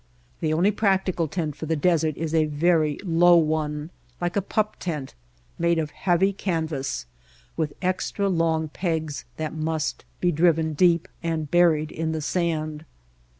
The only practical tent for the desert is a very low one, like a pup tent, made of heavy canvas, with extra long pegs that must be driven deep and buried in the sand.